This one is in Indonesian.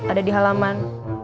ada di halaman